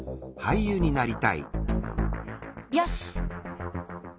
よし！